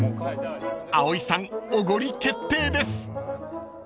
［葵さんおごり決定です］